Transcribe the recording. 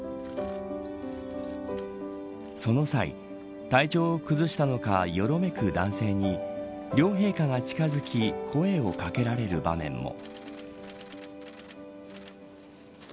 その際、体調を崩したのかよろめく男性に両陛下が近づき声を掛けられる場面も。